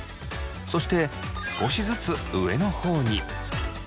そして少しずつ上の方に。